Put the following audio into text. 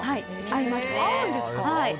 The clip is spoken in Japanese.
合うんですか？